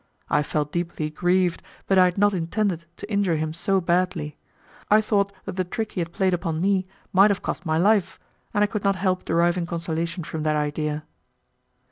I felt deeply grieved, but I had not intended to injure him so badly. I thought that the trick he had played upon me might have cost my life, and I could not help deriving consolation from that idea.